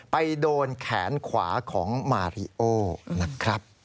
ไปโดนแขนขวาของมาริโอนะครับ